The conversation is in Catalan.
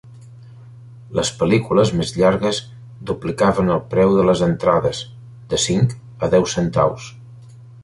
Les pel·lícules més llargues duplicaven el preu de les entrades, de cinc a deu centaus.